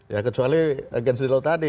ya kecuali agensi lo tadi